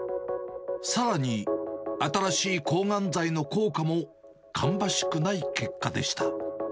さらに、新しい抗がん剤の効果も芳しくない結果でした。